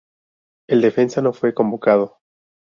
El defensa no fue convocado.